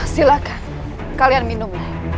silahkan kalian minum